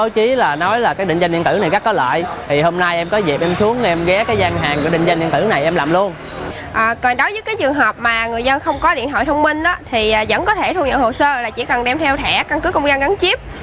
trong dương học mà người dân không có điện thoại thông minh vẫn có thể thu nhận hồ sơ chỉ cần đem theo thẻ căn cứ công gian gắn chip